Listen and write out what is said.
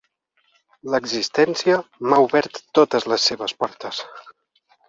L'existència m'ha obert totes les seves portes.